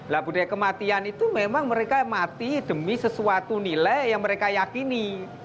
nah budaya kematian itu memang mereka mati demi sesuatu nilai yang mereka yakini